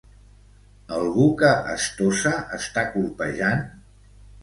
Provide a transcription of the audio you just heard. Algú que estossa està colpejant?